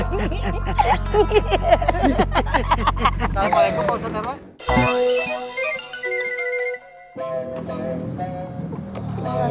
assalamualaikum warahmatullahi wabarakatuh